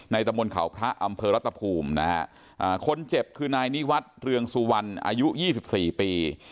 ตะมนต์เขาพระอำเภอรัตภูมินะฮะคนเจ็บคือนายนิวัฒน์เรืองสุวรรณอายุ๒๔ปี